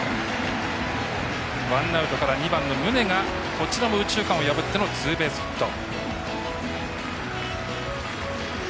ワンアウトから２番の宗がこちらも右中間を破ってのツーベースヒット。